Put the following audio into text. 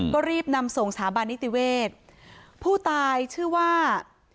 ก็รีบนำส่งสถาบันนิติเวศผู้ตายชื่อว่า